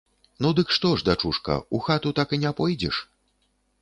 Ну, дык што ж, дачушка, у хату так і не пойдзеш?